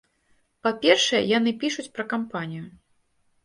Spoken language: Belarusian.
Па-першае, яны пішуць пра кампанію.